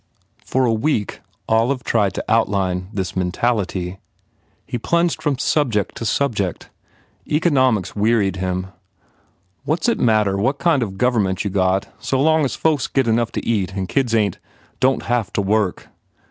For a week Olive tried to outline this mentality. He plunged from subject to subject. Economics wearied him. "What s it matter what kind of a gover ment you have so long as folks get enough to eat and the kids ain t don t have to work?"